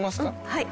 はい。